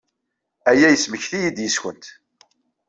Aya yesmekti-iyi-d yes-went.